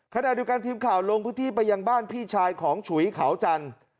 ขณะเดียวกันทีมข่าวลงพื้นที่ไปยังบ้านพี่ชายของฉุยเขาจันทร์